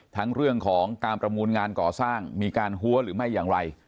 ทั้งเรื่องของการประมูลงานก่อสร้างมีการหัวหรือไม่อย่างไร